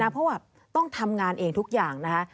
เพราะว่าต้องทำงานเองทุกอย่างนะคะ